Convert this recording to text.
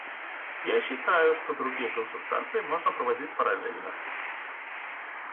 Я считаю, что другие консультации можно проводить параллельно.